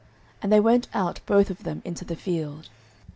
And they went out both of them into the field.